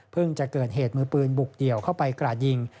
จะเกิดเหตุมือปืนบุกเดี่ยวเข้าไปกราดยิง